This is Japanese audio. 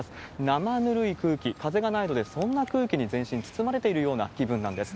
生ぬるい空気、風がないので、そんな空気に全身包まれているような気分なんです。